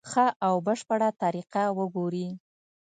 ښه او بشپړه طریقه وګوري.